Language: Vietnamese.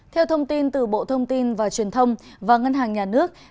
theo thông tin từ bộ thông tin và truyền thông và ngân hàng nhà nước